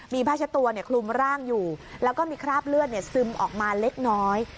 มีผ้าเช็ดตัวคลุมร่างอยู่แล้วก็มีคราบเลือดซึมออกมาเล็กน้อย